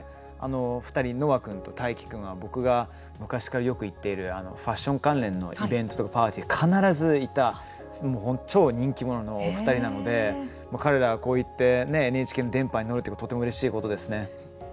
２人、ノア君とタイキ君は僕が昔からよく行っているファッション関連のイベントとかパーティー、必ずいた超人気者のお二人なので彼らがこういったＮＨＫの電波にのるということはとてもうれしいことですね。